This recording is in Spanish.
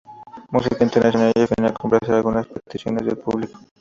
Música Internacional y al final complacer algunas peticiones del público.